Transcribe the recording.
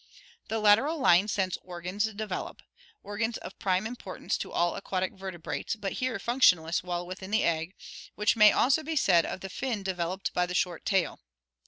The lateral line sense organs develop, organs of prime im portance to all aquatic vertebrates but here f unctionless while within the egg, which may also be said of the fin developed by the short tail.